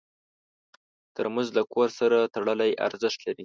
ترموز له کور سره تړلی ارزښت لري.